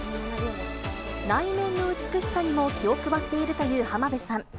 内面の美しさにも気を配っているという浜辺さん。